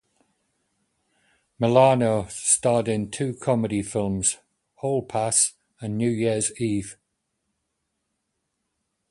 Milano starred in two comedy films, "Hall Pass" and "New Year's Eve".